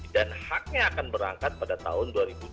dan haknya akan berangkat pada tahun dua ribu dua puluh satu